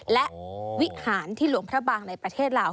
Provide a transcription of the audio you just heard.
และวิหารที่หลวงพระบางในประเทศลาว